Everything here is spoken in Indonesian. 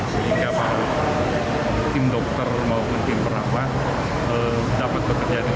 sehingga para tim dokter maupun tim perawat dapat bekerja dengan baik